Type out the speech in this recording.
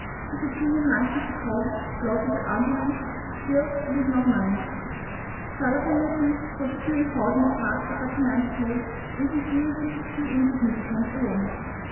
This opinion might be supported by plausible arguments; still it is not mine. Charlatanism was too important a part for such a man to play, and sincerity too insignificant a one.